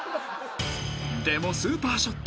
［でもスーパーショット！